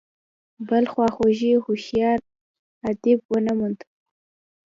بل خواخوږی او هوښیار ادیب ونه موند.